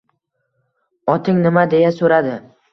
— Oting nima? — deya so‘radi.